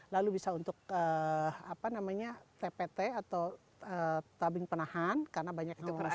lalu bisa untuk tpt atau tabing penahan karena banyak yang mengesor